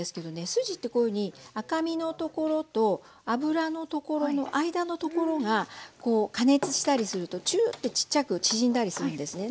筋ってこういうふうに赤身のところと脂のところの間のところが加熱したりするとチューッてちっちゃく縮んだりするんですね。